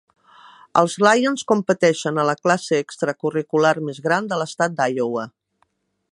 Els Lions competeixen a la classe extracurricular més gran de l'estat d'Iowa.